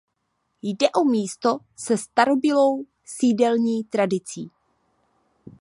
Jde o místo se starobylou sídelní tradicí.